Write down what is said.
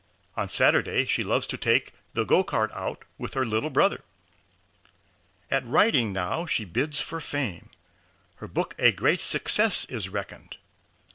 On Saturday she loves to take The go cart out with little brother. At writing now she bids for fame Her book a great success is reckoned.